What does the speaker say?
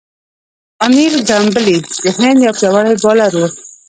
انیل کمبلې د هند یو پياوړی بالر وو.